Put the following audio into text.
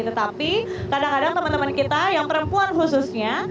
tetapi kadang kadang teman teman kita yang perempuan khususnya